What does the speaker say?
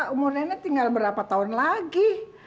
umur nenek tinggal berapa tahun lagi